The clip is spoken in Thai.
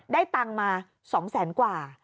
ได้ตังค์มา๒๐๐๐๐๐กว่า